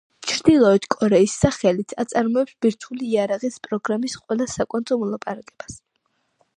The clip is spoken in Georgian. ჩრდილოეთ კორეის სახელით აწარმოებს ბირთვული იარაღის პროგრამის ყველა საკვანძო მოლაპარაკებას.